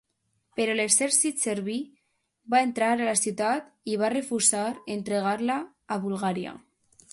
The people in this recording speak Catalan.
Però l'exèrcit serbi va entrar a la ciutat i va refusar entregar-la a Bulgària.